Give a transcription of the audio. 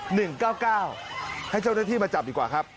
ให้เจ้าหน้าที่มาจับดีกว่าครับ